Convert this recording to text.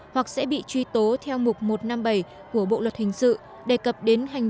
hoặc sẽ bị truy tố theo mục một trăm năm mươi bảy của bộ luật hình sự